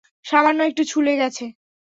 সামান্য একটু ছুঁলে গেছে।